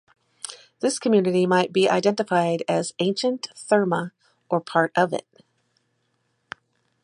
This community might be identified as Ancient Therma or part of it.